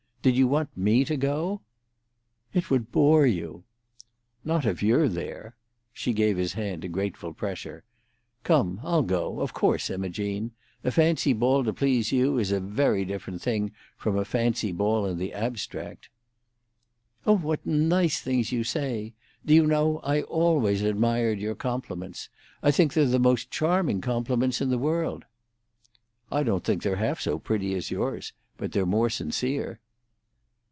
Did you want me to go?" "It would bore you." "Not if you're there." She gave his hand a grateful pressure. "Come, I'll go, of course, Imogene. A fancy ball to please you is a very different thing from a fancy ball in the abstract." "Oh, what nice things you say! Do you know, I always admired your compliments? I think they're the most charming compliments in the world." "I don't think they're half so pretty as yours; but they're more sincere."